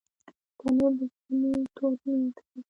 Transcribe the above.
تنور د زړونو تود نیت ښيي